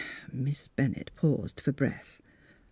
" Miss Bennett paused for breath.